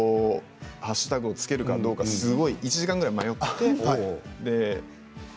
ハッシュタグをつけるかどうかすごく１時間ぐらい迷っていました。